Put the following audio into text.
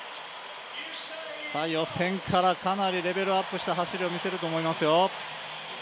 予選からかなりレベルアップした走りを見せると思います。